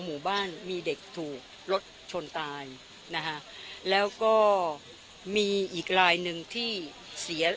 หมู่บ้านมีเด็กถูกรถชนตายนะคะแล้วก็มีอีกลายหนึ่งที่เสีย